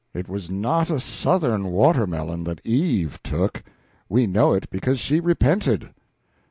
It was not a Southern watermelon that Eve took: we know it because she repented.